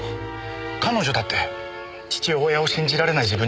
彼女だって父親を信じられない自分に苦しんでる。